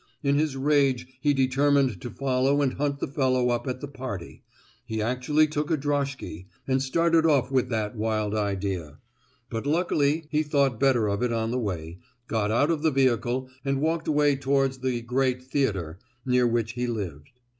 In his rage he determined to follow and hunt the fellow up at the party: he actually took a droshky, and started off with that wild idea; but luckily he thought better of it on the way, got out of the vehicle and walked away towards the "Great Theatre," near which he lived.